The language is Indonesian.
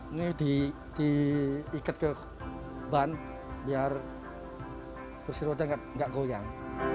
ini diikat ke ban biar kursi roda nggak goyang